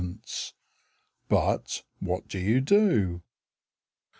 But what do you do?